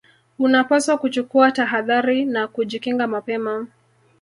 unapaswa kuchukua tahadhari na kujikinga mapema